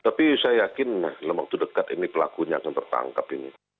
tapi saya yakin dalam waktu dekat ini pelakunya akan tertangkap ini